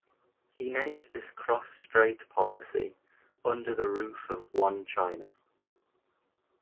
He named this cross-strait policy "Under the Roof of One China".